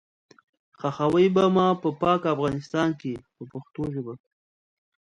ښخوئ به ما په پاک افغانستان کې په پښتو ژبه.